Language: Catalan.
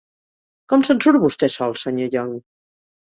Com se'n surt vostè sol, Sr. Young?